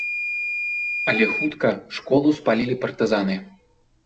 Але хутка школу спалілі партызаны.